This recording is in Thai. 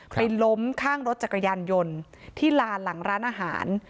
ล้มข้างรถจักรยานยนต์ที่ลานหลังร้านอาหาร